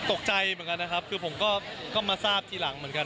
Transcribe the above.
ตกใจเหมือนกันนะครับคือผมก็มาทราบทีหลังเหมือนกัน